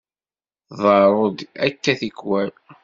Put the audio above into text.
Tḍerru-d akka tikkwal.